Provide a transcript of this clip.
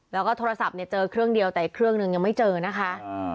แล้วก็โทรศัพท์เนี่ยเจอเครื่องเดียวแต่อีกเครื่องหนึ่งยังไม่เจอนะคะ